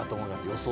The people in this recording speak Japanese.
予想。